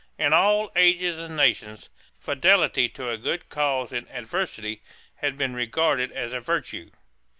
In all ages and nations, fidelity to a good cause in adversity had been regarded as a virtue.